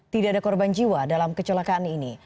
tidak ada korban jiwa dalam kecelakaan ini